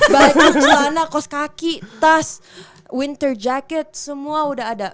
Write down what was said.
baik celana kos kaki tas winter jacket semua udah ada